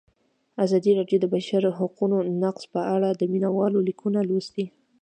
ازادي راډیو د د بشري حقونو نقض په اړه د مینه والو لیکونه لوستي.